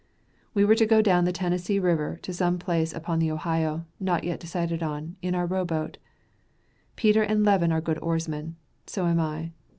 We to go down the Tennessee river to some place up the Ohio, not yet decided on, in our row boat. Peter and Levin are good oarsmen. So am I.